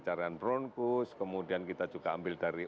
carian bronkus kemudian kita juga ambil dari